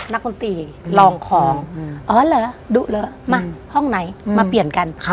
นักคลุมตีรองของเอาเหรอดุเหรอมาห้องไหนมาเปลี่ยนกัน